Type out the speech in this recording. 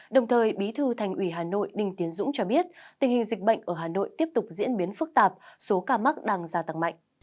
đồng thời bí thư thành ủy hà nội đinh tiến dũng cho biết tình hình dịch bệnh ở hà nội tiếp tục diễn biến phức tạp số ca mắc đang gia tăng mạnh